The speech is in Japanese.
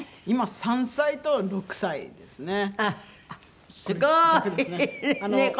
今３歳と６歳ですね。